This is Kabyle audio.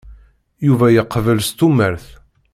Yuba yeqbel s tumert.